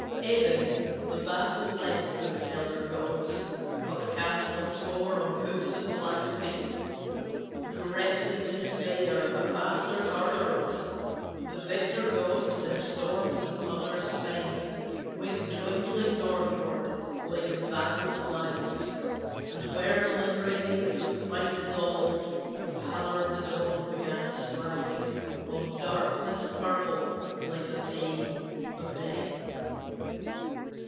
Ebbing, the battle left those elder gods Upcast once more on coasts of black defeat Gripped in despair, a vaster Tartarus. The victor gods, their storms and thunders spent, Went dwindling northward like embattled clouds, And where the lingering haze of fight dissolved, The pallor of the dawn began to spread On darkness purple like the pain of Death.